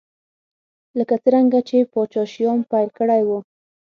لکه څرنګه چې پاچا شیام پیل کړی و.